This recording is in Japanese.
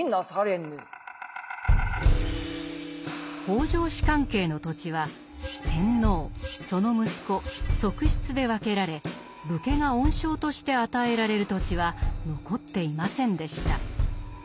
北条氏関係の土地は天皇その息子側室で分けられ武家が恩賞として与えられる土地は残っていませんでした。